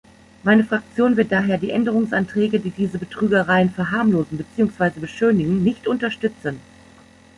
Meine Fraktion wird daher die Änderungsanträge, die diese Betrügereien verharmlosen beziehungsweise beschönigen, nicht unterstützen.